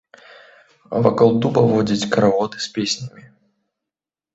Вакол дуба водзяць карагоды з песнямі.